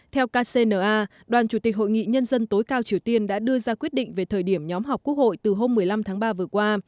theo kcna đoàn chủ tịch hội nghị nhân dân tối cao triều tiên đã đưa ra quyết định về thời điểm nhóm họp quốc hội từ hôm một mươi năm tháng ba vừa qua